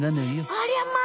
ありゃまあ！